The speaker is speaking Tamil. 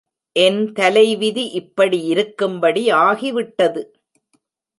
என் தலைவிதி இப்படி இருக்கும்படி ஆகிவிட்டது!